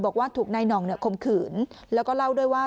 บอกว่าถูกนายหน่องคมขืนแล้วก็เล่าด้วยว่า